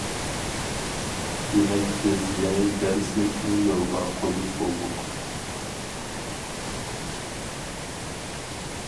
دېمەك بىز يېڭى دەرسلىكنى يولغا قويۇپ بولدۇق.